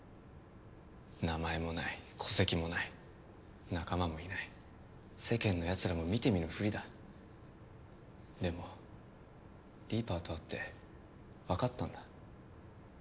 名前もない戸籍もない仲間もいない世間のやつらも見て見ぬふりだでもリーパーと会って分かったんだ